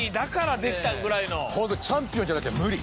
ホントチャンピオンじゃなきゃ無理。